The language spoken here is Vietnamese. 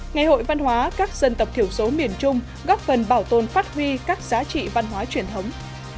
ngày hội văn hóa các dân tộc thiểu số miền trung góp phần bảo tồn phát huy các giá trị văn hóa truyền thống